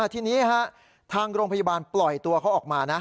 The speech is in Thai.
ทีนี้ทางโรงพยาบาลปล่อยตัวเขาออกมานะ